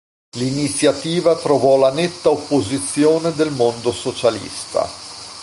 L'iniziativa trovò la netta opposizione del mondo socialista.